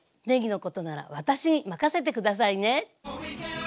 ねぎのことなら私に任せて下さいね！